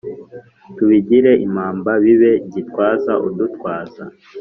tubigire impamba bibe gitwaza udutwaza .